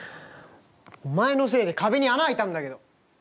お前のせいで壁に穴、開いたんだけど。